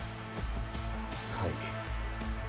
はい。